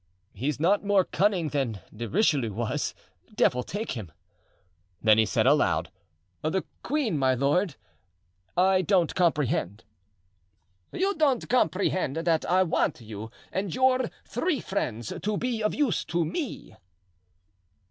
He's not more cunning than De Richelieu was! Devil take him!" Then he said aloud: "The queen, my lord? I don't comprehend." "You don't comprehend that I want you and your three friends to be of use to me?"